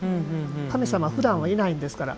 神様はふだんはいないですから。